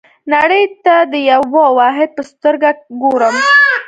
نړۍ ته د یوه واحد په سترګه ګورم.